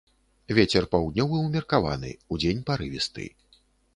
Вецер паўднёвы ўмеркаваны, удзень парывісты.